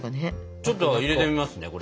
ちょっと入れてみますねこれ。